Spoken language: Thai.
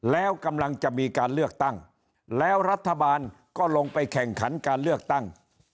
แล้วกำลังจะมีการเลือกตั้งแล้วรัฐบาลก็ลงไปแข่งขันการเลือกตั้ง